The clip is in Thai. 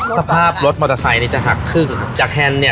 สภาพรถมอเตอร์ไซค์เนี่ยจะหักครึ่งจากแฮนด์เนี่ย